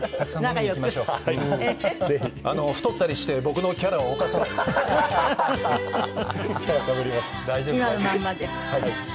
太ったりして僕のキャラを侵さないように。